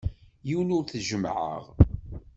Yiwen ur t-jemmɛeɣ.